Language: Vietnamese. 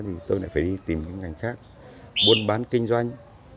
thì tôi lại phải đi tìm cái ngành khác buôn bán kinh doanh